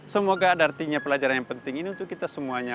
semoga ada artinya pelajaran yang penting ini untuk kita semuanya